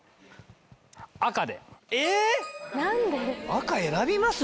赤選びます？